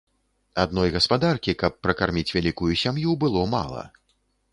Адной гаспадаркі, каб пракарміць вялікую сям'ю, было мала.